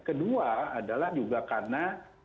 kedua adalah juga karena